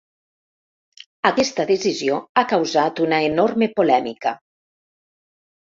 Aquesta decisió ha causat una enorme polèmica.